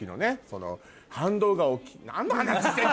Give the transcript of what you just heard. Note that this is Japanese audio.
その反動が大きい。